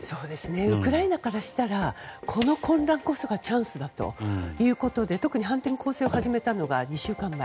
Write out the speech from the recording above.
ウクライナからしたらこの混乱こそがチャンスだということで特に反転攻勢を始めたのが２週間前。